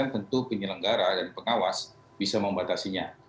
tentu penyelenggara dan pengawas bisa membatasinya